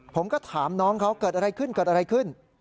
ผมก็ถามน้องเขาเกิดอะไรขึ้น